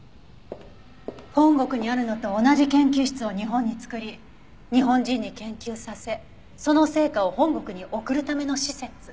本国にあるのと同じ研究室を日本に作り日本人に研究させその成果を本国に送るための施設。